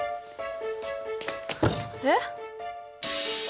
えっ！？